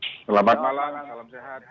selamat malam salam sehat